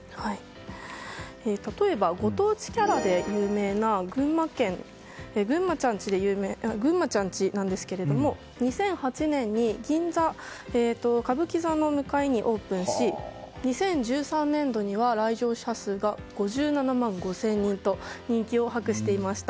例えば、ご当地キャラで有名なぐんまちゃん家なんですが２００８年に銀座・歌舞伎座の向かいにオープンし２０１３年度には来場者数が５７万５０００人と人気を博していました。